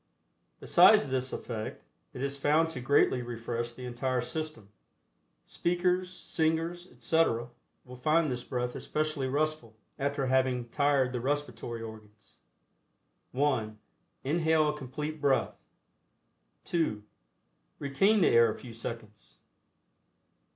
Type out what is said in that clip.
Besides this effect, it is found to greatly refresh the entire system. Speakers, singers, etc., will find this breath especially restful, after having tired the respiratory organs. (1) Inhale a complete breath. (2) Retain the air a few seconds.